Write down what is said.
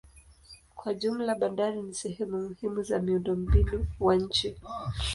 Kwa jumla bandari ni sehemu muhimu za miundombinu wa nchi.